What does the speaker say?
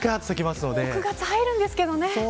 ９月に入るんですけどね。